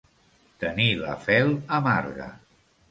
Tenir la fel amarga.